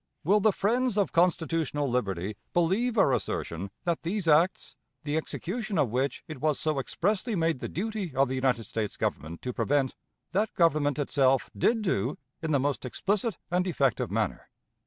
Will the friends of constitutional liberty believe our assertion that these acts, the execution of which it was so expressly made the duty of the United States Government to prevent, that Government itself did do in the most explicit and effective manner?